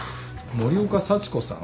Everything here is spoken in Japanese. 森岡幸子さん？